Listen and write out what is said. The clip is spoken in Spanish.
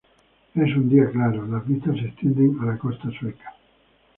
En un día claro, las vistas se extienden a la costa sueca.